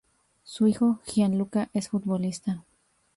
Su hijo, Gianluca, es futbolista.